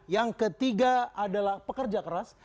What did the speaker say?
yang ketiga adalah pekerja keras